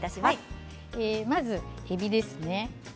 まずえびですね。